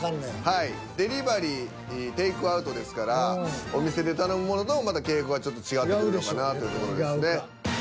はいデリバリー・テイクアウトですからお店で頼むものともまた傾向がちょっと違ってくるのかなというところですね。